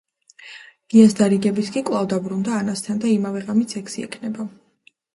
გიას დარიგებით კი კვლავ დაბრუნდება ანასთან და იმავე ღამით სექსი ექნება.